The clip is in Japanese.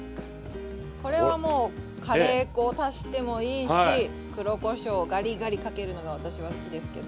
これはもうカレー粉を足してもいいし黒こしょうガリガリかけるのが私は好きですけど。